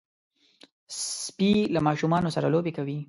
سپي له ماشومانو سره لوبې کوي.